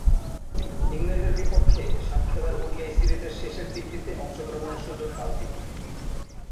ইংল্যান্ডের বিপক্ষে সাত খেলার ওডিআই সিরিজের শেষের তিনটিতে অংশগ্রহণের সুযোগ পান তিনি।